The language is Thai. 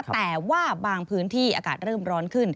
แต่ว่าบางพื้นที่อากาศเริ่มร้อนขึ้น